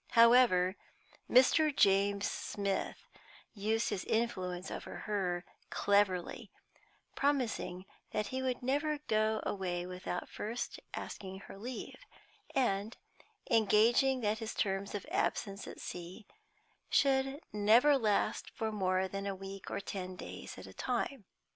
However, Mr. James Smith used his influence over her cleverly, promising that he would never go away without first asking her leave, and engaging that his terms of absence at sea should never last for more than a week or ten days at a time.